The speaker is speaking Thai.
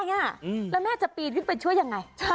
แล้วแม่จะปีนขึ้นไปช่วยยังไง